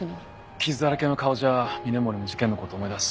傷だらけの顔じゃ峰森も事件のこと思い出す。